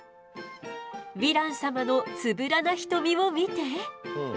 ヴィラン様のつぶらな瞳を見て。